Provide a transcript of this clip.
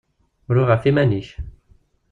Ru ɣef yiman-ik!